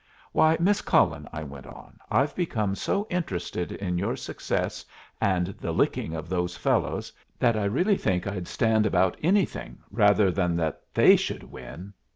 "Why, Miss Cullen," I went on, "I've become so interested in your success and the licking of those fellows that I really think I'd stand about anything rather than that they should win.